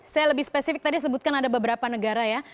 saya lebih spesifik tadi sebutkan ada beberapa negara ya